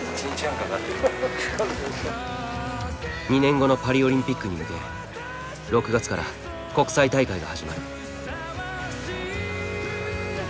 ２年後のパリオリンピックに向け６月から国際大会が始まる。